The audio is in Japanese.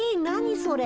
それ。